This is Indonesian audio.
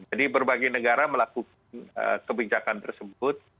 jadi berbagai negara melakukan kebijakan tersebut